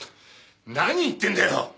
何言ってんだよ！